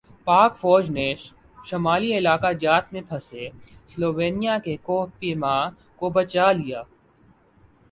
پاک فوج نے شمالی علاقہ جات میں پھنسے سلوینیا کے کوہ پیما کو بچالیا